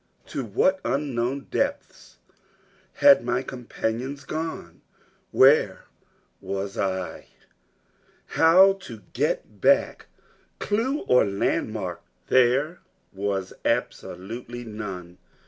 To what unknown depths had my companions gone? Where was I? How to get back! Clue or landmark there was absolutely none!